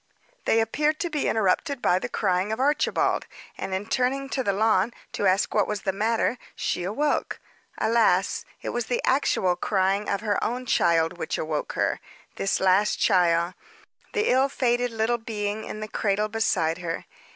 They appeared to be interrupted by the crying of Archibald; and, in turning to the lawn to ask what was the matter, she awoke. Alas! It was the actual crying of her own child which awoke her this last child the ill fated little being in the cradle beside her.